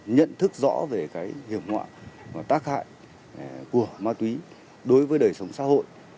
nhận thức rõ về hiệu quả và tác hại của ma túy đối với đời sống xã hội